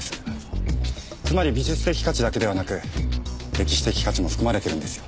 つまり美術的価値だけではなく歴史的価値も含まれてるんですよ。